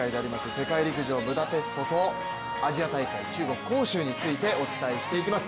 世界陸上ブダペストとアジア大会中国・杭州についてお伝えしていきます。